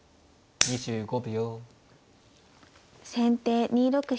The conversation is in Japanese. ２５秒。